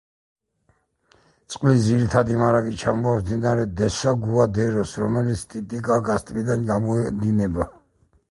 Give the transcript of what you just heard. წყლის ძირითადი მარაგი ჩამოაქვს მდინარე დესაგუადეროს, რომელიც ტიტიკაკას ტბიდან გამოედინება.